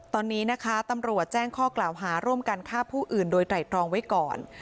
ตอนนี้นะคะตำรวจแจ้งข้อกล่าวหาร่วมกันฆ่าผู้อื่นโดยไตรตรองไว้ก่อน